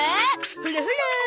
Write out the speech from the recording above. ほらほら。